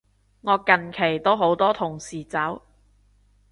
我近期都好多同事走